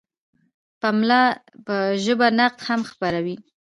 پملا په ژباړه نقد هم خپروي.